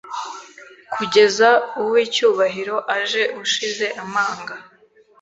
Kugeza uwi cyubahiro aje ushize amanga